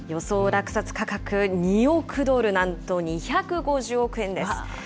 落札価格２億ドル、なんと２５０億円です。